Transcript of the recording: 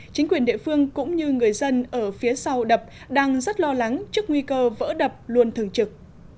chính quyền địa phương cũng như người dân ở phía sau đập đang rất lo lắng trước nguy cơ vỡ đập luôn thường trực